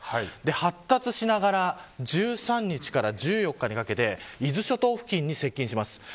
発達しながら１３日から１４日にかけて伊豆諸島付近に接近します。